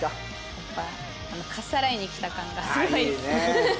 やっぱかっさらいに来た感がすごい。